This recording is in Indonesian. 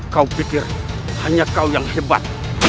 kau pikir hanya kau yang hebat